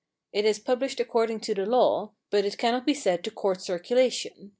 It is published according to the law, but it cannot be said to court circulation.